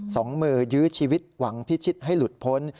สองมือยื้อชีวิตหวังพิชิตให้หลุดพ้น